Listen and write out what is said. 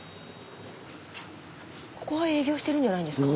ここは営業してるんじゃないんですか？